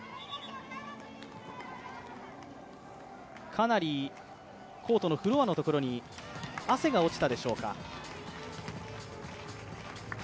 かなりコートのフロアのところに汗が落ちたでしょうか。